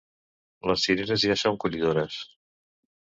Les cireres ja són collidores.